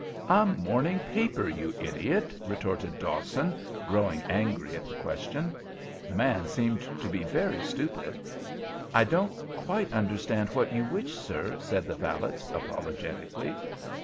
"A morning paper, you idiot!" retorted Dawson, growing angry at the question. The man seemed to be so very stupid. "I don't quite understand what you wish, sir," said the valet, apologetically.